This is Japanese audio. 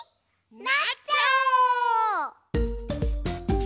なっちゃおう！